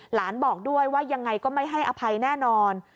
บอกด้วยว่ายังไงก็ไม่ให้อภัยแน่นอน